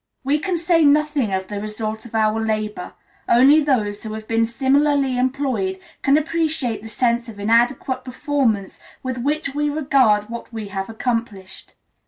We can say nothing of the result of our labor; only those who have been similarly employed can appreciate the sense of inadequate performance with which we regard what we have accomplished.